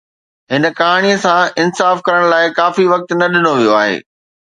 هن ڪهاڻي سان انصاف ڪرڻ لاء ڪافي وقت نه ڏنو ويو آهي